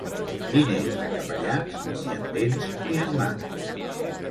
Diners de capellans, ni en dents ni en mans.